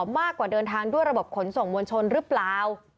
มากกว่าเดินทางด้วยระบบขนส่งมวลชนหรือเปล่า